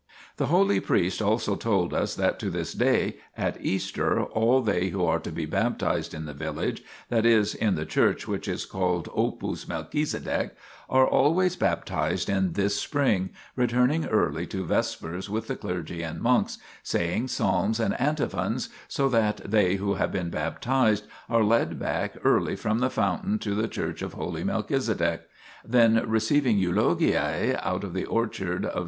The holy priest also told us that to this day, at Easter, all they who are to be baptized in the village, that is in the church 1 S. John iii. 23. * it?/* TOW eryiow 'lufovov (the garden of Saint John). 28 THE PILGRIMAGE OF ETHERIA which is called opus Melchisedech} are always baptized in this spring, returning early to vespers with the clergy and monks, saying psalms and antiphons, so that they who have been baptized are led back early from the fountain to the church of holy Melchizedek. Then, receiving eulogiae' 1 ' out of the orchard of S.